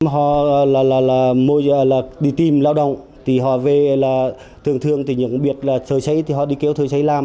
họ đi tìm lao động thì họ về là thường thường thì những người biết là thời xây thì họ đi kêu thời xây làm